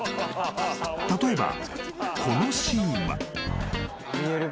［例えばこのシーンは］